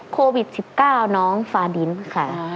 โควิด๑๙น้องฟาดินค่ะ